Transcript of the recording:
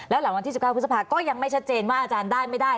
แล้วหลังวันที่๑๙พฤษภาก็ยังไม่ชัดเจนว่าอาจารย์ได้ไม่ได้